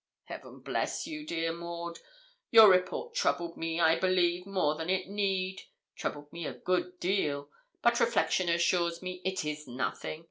Heaven bless you, dear Maud! Your report troubled me, I believe, more than it need troubled me a good deal; but reflection assures me it is nothing.